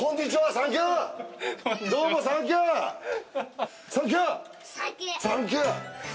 サンキュー。